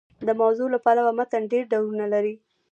د موضوع له پلوه متن ډېر ډولونه لري.